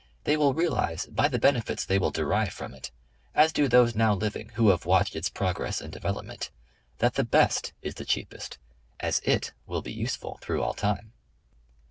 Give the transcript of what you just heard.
They will realize by the benefits they will derive from it, as do those now living who have watched its progress and development, that the best is the cheapest as it will be useful through all time.